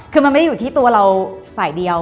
คือมันไม่ได้อยู่ที่ตัวเราฝ่ายเดียว